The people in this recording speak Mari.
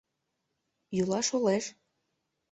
Йӱла, шолеш